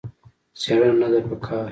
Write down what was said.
څېړنه نه ده په کار.